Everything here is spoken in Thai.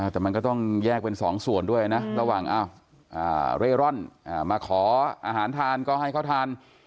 แต่มันก็ต้องแยกเป็นสองส่วนด้วยนะระหว่างเร่ร่อนมาขออาหารทานก็ให้เขาทาน